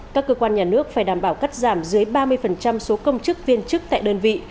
các cơ quan nhà nước phải đảm bảo cắt giảm dưới ba mươi số công chức viên chức tại đơn vị